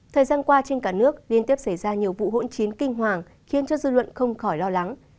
thời gian qua trên cả nước liên tiếp xảy ra nhiều vụ hỗn chiến kinh hoàng khiến cho dư luận không khỏi lo lắng